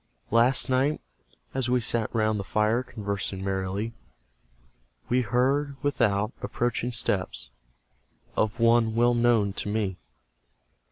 Last night, as we sat round the fire Conversing merrily, We heard, without, approaching steps Of one well known to me!